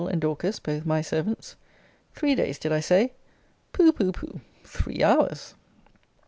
and Dorcas, both my servants. Three days, did I say! Pho! Pho! Pho! three hours!